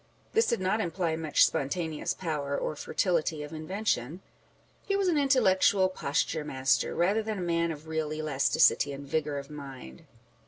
This did not imply much spontaneous power or fertility of invention ; he was an intellectual posture master, rather than a man of real elasticity and vigour of mind.